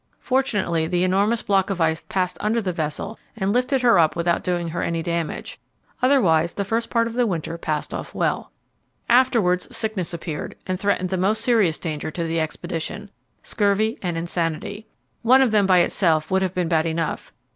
Fortunately the enormous block of ice passed under the vessel and lifted her up without doing her any damage. Otherwise, the first part of the winter passed off well. Afterwards sickness appeared, and threatened the most serious danger to the expedition scurvy and insanity. One of them by itself would have been bad enough.